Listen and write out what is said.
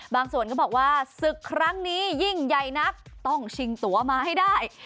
ส่วนก็บอกว่าศึกครั้งนี้ยิ่งใหญ่นักต้องชิงตัวมาให้ได้